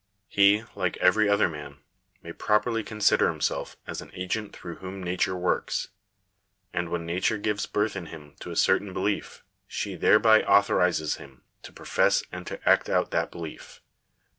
He, like every other man, may properly consider himself as an agent through whom nature works; and when nature gives birth in him to a certain belief, she thereby authorizes him to profess and to act out that belief.